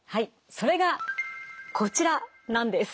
それがこちらなんです。